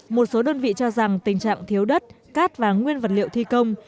một số đơn vị cho rằng tình trạng thiếu đất cát và nguyên vật liệu thi công